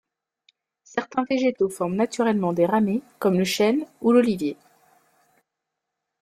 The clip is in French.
Certains végétaux forment naturellement des ramets, comme le chêne ou l'olivier.